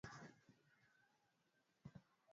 ngono ya mdomo haina athari yoyote dhidi ya ukimwi